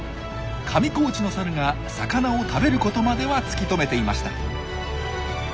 上高地のサルが魚を食べることまでは突き止めていました。